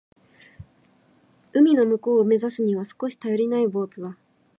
海の向こうを目指すには少し頼りないボートだ。